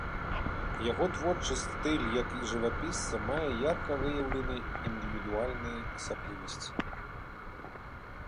Яго творчы стыль як жывапісца мае ярка выяўленыя індывідуальныя асаблівасці.